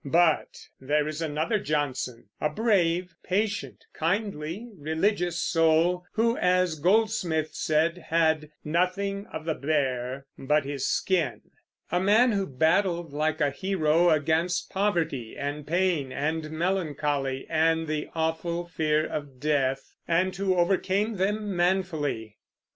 But there is another Johnson, a brave, patient, kindly, religious soul, who, as Goldsmith said, had "nothing of the bear but his skin"; a man who battled like a hero against poverty and pain and melancholy and the awful fear of death, and who overcame them manfully.